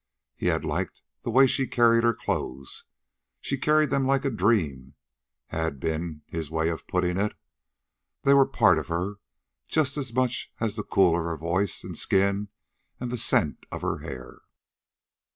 He had liked the way she carried her clothes. She carried them like a dream, had been his way of putting it. They were part of her, just as much as the cool of her voice and skin and the scent of her hair.